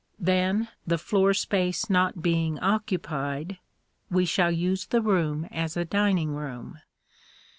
Then, the floor space not being occupied, we shall use the room as a dining room.